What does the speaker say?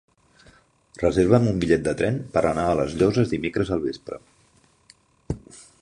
Reserva'm un bitllet de tren per anar a les Llosses dimecres al vespre.